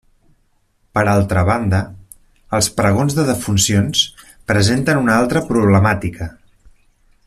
Per altra banda, els pregons de defuncions presenten una altra problemàtica.